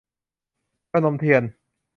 พนมเทียน